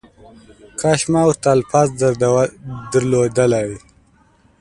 کاش ما ورته الفاظ درلودلای